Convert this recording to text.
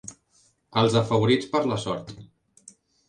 Els afavorits per la sort.